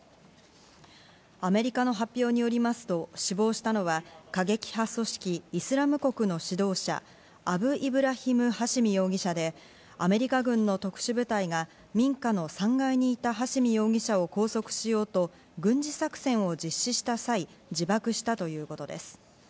アメリカの発表によりますと死亡したのは過激派組織イスラム国の指導者、アブイブラヒム・ハシミ容疑者でアメリカ軍の特殊部隊が民家の３階にいたハシミ容疑者を拘束しようと軍事作戦を実施した際、自爆したということです。